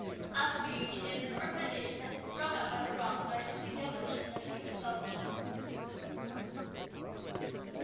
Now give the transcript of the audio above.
As to the Union, it is an organisation that has sprung up out of wrongs that are simply devilish in their human selfishness."